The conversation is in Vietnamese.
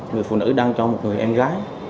người phụ nữ đang cho một người em gái